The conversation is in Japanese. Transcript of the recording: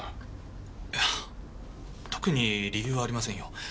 いや特に理由はありませんよ。